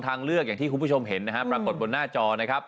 ทางเลือกอย่างที่คุณผู้ชมเห็นนะฮะปรากฏบนหน้าจอนะครับ